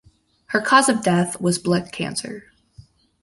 Her cause of death was blood cancer.